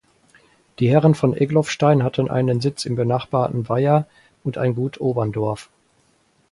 Die Herren von Egloffstein hatten einen Sitz im benachbarten Weiher und ein Gut Oberndorf.